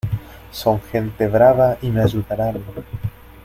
son gente brava y me ayudarán...